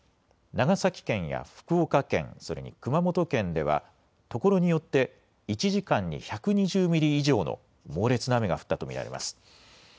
長崎県や福岡県、それに熊本県ではところによって１時間に１２０ミリ以上の猛烈な雨が降ったと見られます。